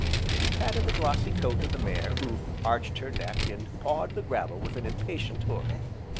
and he patted the glossy coat of the mare, who arched her neck, and pawed the gravel with an impatient hoof.